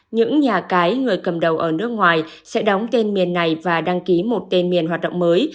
những nhà cái người cầm đầu ở nước ngoài sẽ đóng tên miền này và đăng ký một tên miền hoạt động mới